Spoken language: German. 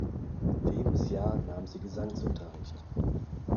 Lebensjahr nahm sie Gesangsunterricht.